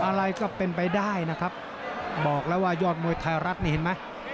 อะไรก็เป็นไปได้นะครับบอกแล้วว่ายอดมวยไทยรัฐนี่เห็นไหม